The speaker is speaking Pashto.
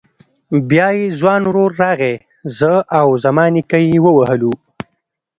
بيا يې ځوان ورور راغی زه او زما نيکه يې ووهلو.